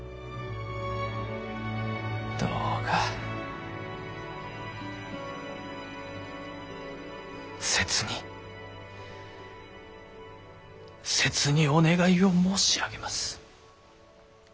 どうか切に切にお願いを申し上げます。